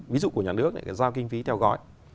ví dụ của nhà nước giao kinh phí theo gói